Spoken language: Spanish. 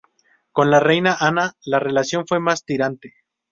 Con la reina Ana la relación fue más tirante.